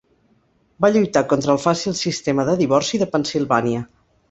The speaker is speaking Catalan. Va lluitar contra el fàcil sistema de divorci de Pennsilvània.